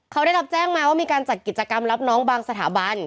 เขาได้รับแจ้งมาว่ามีการจัดกิจกรรมรับน้องบางสถาบัน